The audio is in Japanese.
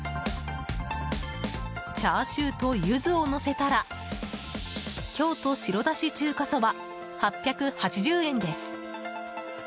チャーシューとユズをのせたら京都白だし中華そば８８０円です。